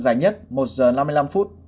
dài nhất một giờ năm mươi năm phút